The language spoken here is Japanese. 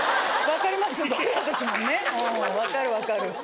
分かる分かる。